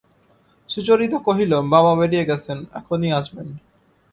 সুচরিতা কহিল, বাবা বেরিয়ে গেছেন, এখনই আসবেন।